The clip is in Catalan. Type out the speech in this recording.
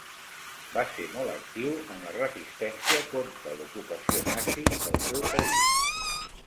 Va ser molt actiu en la resistència contra l'ocupació nazi del seu país.